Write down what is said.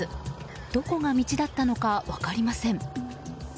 どこが道だったのか分かりません。